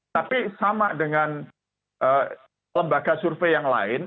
tapi sama dengan lembaga survei yang lain